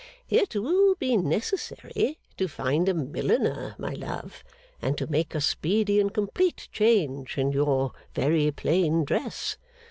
'It will be necessary to find a milliner, my love, and to make a speedy and complete change in your very plain dress.